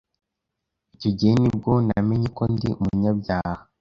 icyo gihe nibwo namenye ko ndi umunyabyaha,